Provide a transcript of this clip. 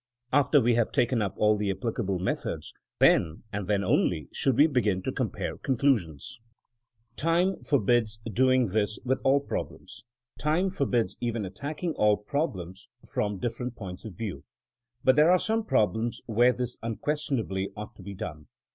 After we have taken up aU the applicable methods, then, and then only, should we begin to compare conclusions. Time forbids doing this with all problems. Time forbids even attacking all problems from THINEINO AS A SCIENCE 59 different points of view. But there are some problems where this unquestionably ought to be done.